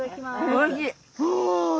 おいしい！